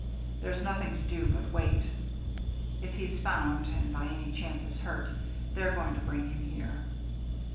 There's nothing to do but wait. If he's found, and by any chance is hurt, they're to bring him here."